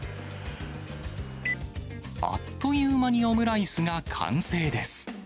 あっという間にオムライスが完成です。